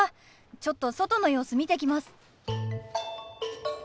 ちょっと外の様子見てきます。